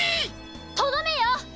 とどめよ！